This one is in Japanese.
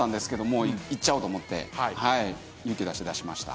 もういっちゃおうと思って勇気出して出しました。